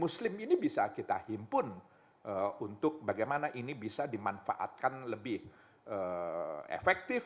muslim ini bisa kita himpun untuk bagaimana ini bisa dimanfaatkan lebih efektif